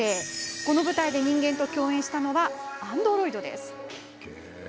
この舞台で人間と共演したのはアンドロイドです。